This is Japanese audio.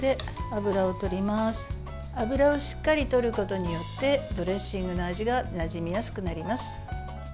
油をしっかり取ることによってドレッシングの味がなじみやすくなります。